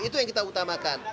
itu yang kita utamakan